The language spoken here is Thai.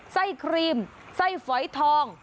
ครีมไส้ฝอยทอง